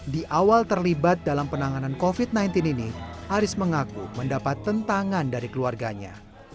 di awal terlibat dalam penanganan covid sembilan belas ini aris mengaku mendapat tentangan dari keluarganya